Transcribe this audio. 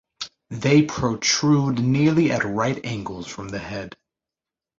They protrude nearly at right angles from the head